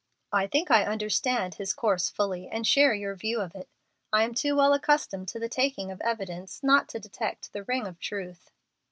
"I think I understand his course fully, and share your view of it. I am too well accustomed to the taking of evidence not to detect the ring of truth."